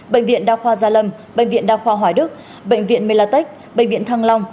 bệnh viện đa khoa gia lâm bệnh viện đa khoa hòa đức bệnh viện mê la tích bệnh viện thăng long